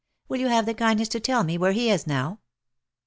Will you have the kindness to tell me where he is now